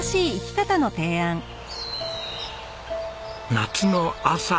夏の朝。